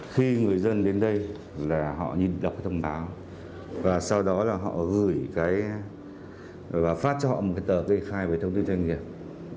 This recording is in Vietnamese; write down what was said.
khi người dân đến đây họ nhìn đọc thông báo và sau đó họ gửi và phát cho họ một tờ gây khai về thông tin doanh nghiệp